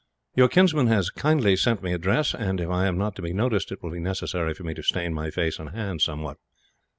Your kinsman has kindly sent me a dress; but if I am not to be noticed, it will be necessary for me to stain my face and hands, somewhat."